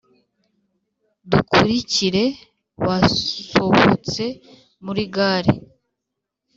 dukurikire.basohotse muri gare